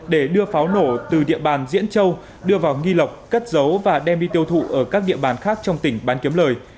để đưa pháo nổ từ địa bàn diễn châu đưa vào nghi lộc cất giấu và đem đi tiêu thụ ở các địa bàn khác trong tỉnh bán kiếm lời